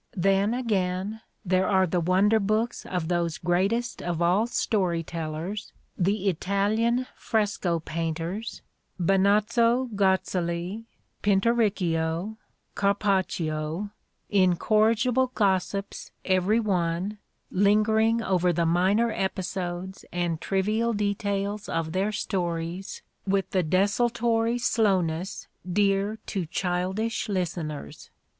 Then, again, there are the wonder books of those greatest of all story tellers, the Italian fresco painters Benozzo Gozzoli, Pinturicchio, Carpaccio incorrigible gossips every one, lingering over the minor episodes and trivial details of their stories with the desultory slowness dear to childish listeners.